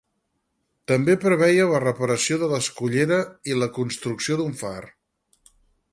També preveia la reparació de l'escullera i la construcció d'un far.